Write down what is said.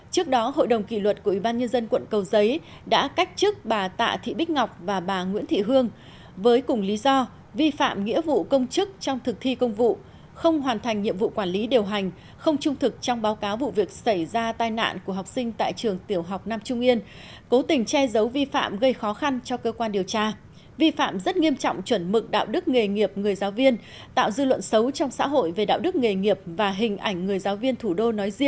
trước đó hội đồng kỳ luật của ủy ban nhân dân quận cầu giấy đã cách chức bà tạ thị bích ngọc và bà nguyễn thị hương với cùng lý do vi phạm nghĩa vụ công chức trong thực thi công vụ không hoàn thành nhiệm vụ quản lý điều hành không trung thực trong báo cáo vụ việc xảy ra tai nạn của học sinh tại trường tiểu học nam trung yên cố tình che giấu vi phạm gây khó khăn cho cơ quan điều tra vi phạm rất nghiêm trọng chuẩn mực đạo đức nghề nghiệp người giáo viên tạo dư luận xấu trong xã hội về đạo đức nghề nghiệp và hình ảnh người giáo viên thủ đô nói